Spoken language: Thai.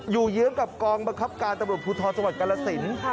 อยู่เยื้อมกับกองบังคับการตะบุพุทธสวัสดิ์กรรณสินค่ะ